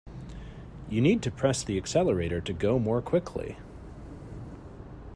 You need to press the accelerator to go more quickly